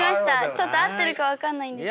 ちょっと合ってるか分かんないんですけど。